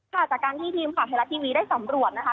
ค่ะจากการที่ทีมขวาไทยลักษณ์ทีวีได้สำรวจนะคะ